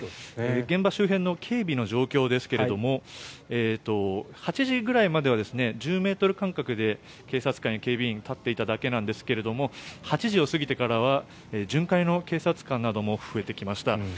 現場周辺の警備の状況ですが８時ぐらいまでは１０ｍ間隔で警察官や警備員が立っていただけなんですが８時を過ぎてから巡回の警察官なども増えてきました。